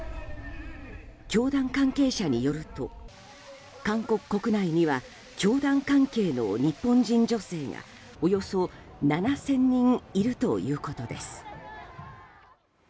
教団関係者によると韓国国内には教団関係の日本人女性がおよそ７０００人いるということです。